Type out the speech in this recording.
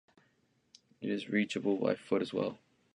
It is reachable by foot as well.